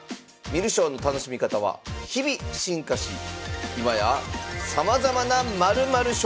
観る将の楽しみ方は日々進化し今やさまざまな○○将が。